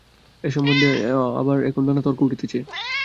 এ-সম্বন্ধে আবার এখন নানা তর্ক উঠিতেছে।